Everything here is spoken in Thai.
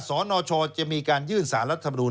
สนชจะมีการยื่นสารรัฐมนูล